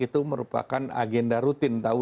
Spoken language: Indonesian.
itu merupakan agenda rutin